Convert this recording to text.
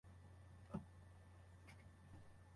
沖縄県豊見城市